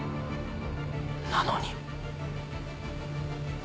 なのに。